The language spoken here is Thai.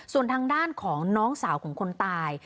ส่วนทางด้านของน้องสาวของคนตาย